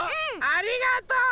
ありがとう！